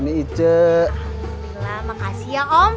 alhamdulillah makasih ya om